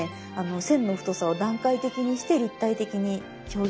線の太さを段階的にして立体的に表現したりとか。